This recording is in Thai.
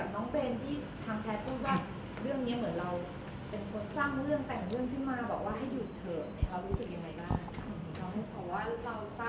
อย่างจากน้องเบนที่ทางแพทย์พูดว่า